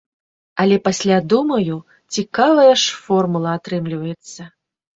Але пасля думаю, цікавая ж формула атрымліваецца.